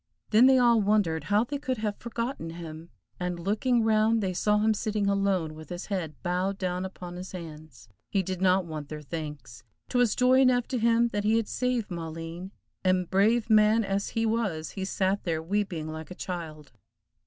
Then they all wondered how they could have forgotten him, and looking round they saw him sitting alone, with his head bowed down upon his hands. He did not want their thanks. 'Twas joy enough to him, that he had saved Maleen, and, brave man as he was, he sat there weeping like a child.